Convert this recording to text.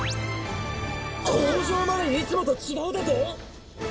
口上までいつもと違うだと！？